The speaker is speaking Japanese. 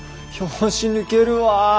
拍子抜けるわ。